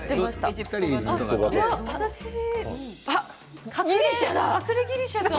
私は隠れギリシャかも。